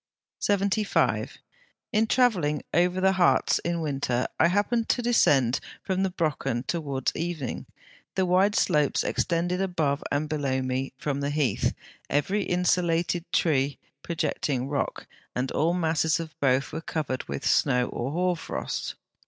75. In travelling over the Harz in winter, I happened to descend from the Brocken towards evening; the wide slopes extending above and below me, the heath, every insulated tree and projecting rock, and all masses of both, were covered with snow or hoar frost.